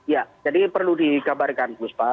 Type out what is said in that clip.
ya jadi perlu dikabarkan puspa